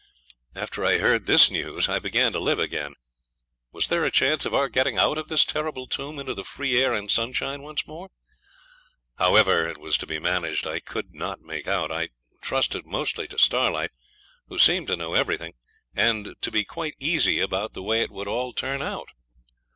After I heard this news I began to live again. Was there a chance of our getting out of this terrible tomb into the free air and sunshine once more? However it was to be managed I could not make out. I trusted mostly to Starlight, who seemed to know everything, and to be quite easy about the way it would all turn out.